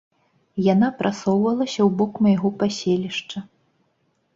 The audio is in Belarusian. Яна прасоўвалася ў бок майго паселішча.